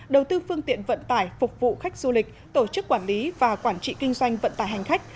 đầu tư phương tiện vận tải phục vụ khách du lịch tổ chức quản lý và quản trị kinh doanh vận tải hành khách